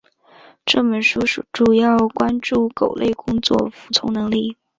这本书主要关注狗类工作服从能力。